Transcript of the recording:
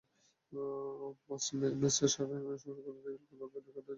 ম্যাচটা স্মরণীয় হয়ে আছে রিয়াল গোলরক্ষক রিকার্ডো জামোরার দুর্দান্ত একটি সেভের কারণে।